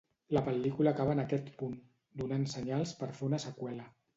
La pel·lícula acaba en aquest punt, donant senyals per fer una seqüela.